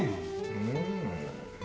うん。